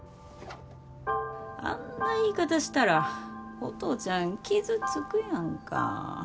あんな言い方したらお父ちゃん傷つくやんか。